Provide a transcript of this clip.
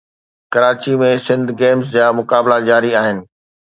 Karachi ۾ Sindh games جا مقابلا جاري آهن